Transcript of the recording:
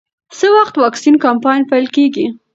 څه وخت واکسین کمپاین پیل کېږي؟